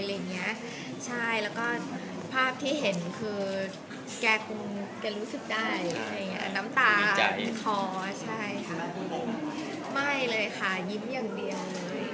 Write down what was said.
คือมีแม่และก็มีลูกเราในกลางในกลางค่ะ